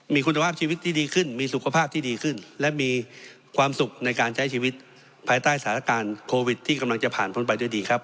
มีคุณภาพชีวิตที่ดีขึ้นมีสุขภาพที่ดีขึ้นและมีความสุขในการใช้ชีวิตภายใต้สถานการณ์โควิดที่กำลังจะผ่านพ้นไปด้วยดีครับ